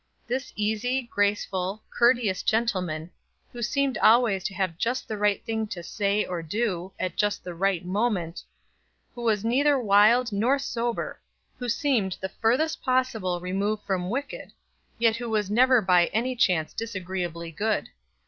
This easy, graceful, courteous gentleman, who seemed always to have just the right thing to say or do, at just the right moment; who was neither wild nor sober; who seemed the furthest possible remove from wicked, yet who was never by any chance disagreeably good.